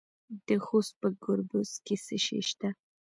د خوست په ګربز کې څه شی شته؟